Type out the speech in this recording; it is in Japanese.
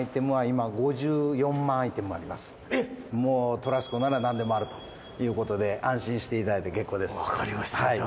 トラスコならなんでもあるということで安心していただいて結構です。